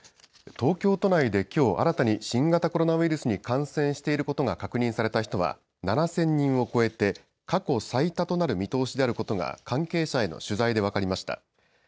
東京都内できょう新たに新型コロナウイルスに感染していることが確認された人は７０００人を超えて過去最多となる見通しであることが関係者への取材で分かりました。